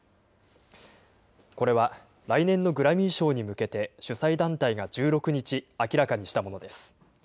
これは来年のグラミー賞に向けて、主催団体が１６日、明らかにしたものです。